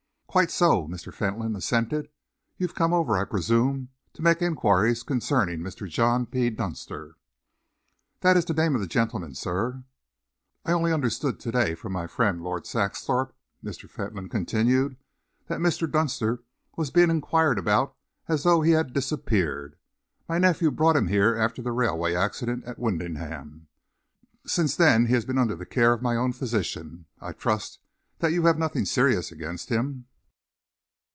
"Quite so," Mr. Fentolin assented. "You've come over, I presume, to make enquiries concerning Mr. John P. Dunster?" "That is the name of the gentleman, sir." "I only understood to day from my friend Lord Saxthorpe," Mr. Fentolin continued, "that Mr. Dunster was being enquired about as though he had disappeared. My nephew brought him here after the railway accident at Wymondham, since when he has been under the care of my own physician. I trust that you have nothing serious against him?"